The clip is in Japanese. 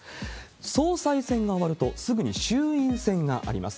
総裁選が終わると、すぐに衆院選があります。